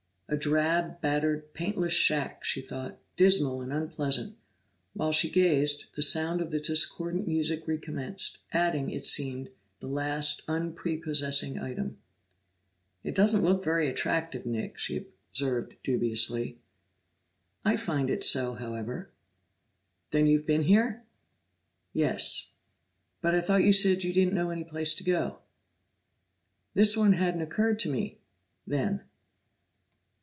A drab, battered, paintless shack, she thought, dismal and unpleasant; while she gazed, the sound of the discordant music recommenced, adding, it seemed, the last unprepossessing item. "It doesn't look very attractive, Nick," she observed dubiously. "I find it so, however." "Then you've been here?" "Yes." "But I thought you said you didn't know any place to go." "This one hadn't occurred to me then."